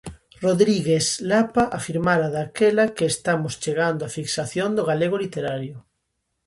Rodrigues Lapa afirmara daquela que "estamos chegando á fixación do galego literario".